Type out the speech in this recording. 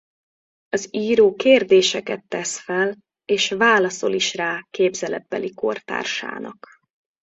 Az író kérdéseket tesz fel és válaszol is rá képzeletbeli kortársának.